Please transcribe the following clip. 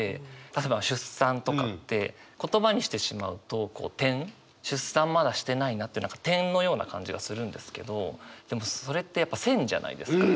例えば出産とかって言葉にしてしまうとこう点出産まだしてないなって点のような感じがするんですけどでもそれってやっぱ線じゃないですか。